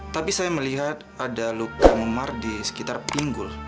tapi saya melihat ada luka memar di sekitar pinggul